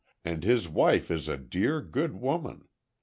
And his wife is a dear good woman.